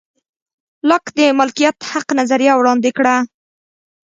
لاک د مالکیت حق نظریه وړاندې کړه.